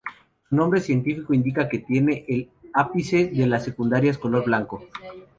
Su nombre científico indica que tiene el ápice de las secundarias color blanco.